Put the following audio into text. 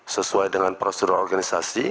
sesuai dengan prosedur organisasi